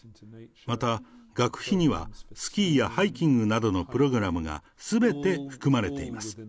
また学費には、スキーやハイキングなどのプログラムがすべて含まれています。